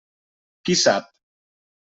Qui sap!